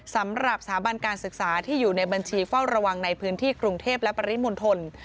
สำหรับสถาบันการศึกษาที่อยู่ในบัญชีเฝ้าระวังในพื้นที่กรุงเทพและปริมณฑล